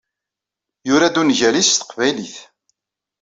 Yura-d ungal-is s teqbaylit